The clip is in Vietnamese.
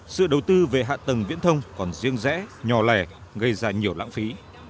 sự đầu tư về hạ tầng viễn thông còn riêng rẽ nhỏ lẻ gây ra nhiều lãng phí